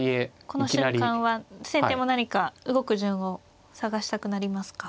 この瞬間は先手も何か動く順を探したくなりますか。